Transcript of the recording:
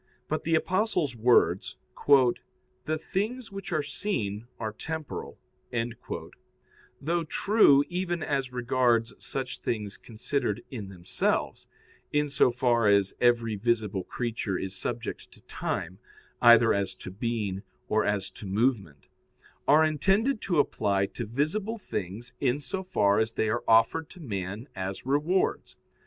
But the Apostle's words, "The things which are seen are temporal," though true even as regards such things considered in themselves (in so far as every visible creature is subject to time, either as to being or as to movement), are intended to apply to visible things in so far as they are offered to man as rewards.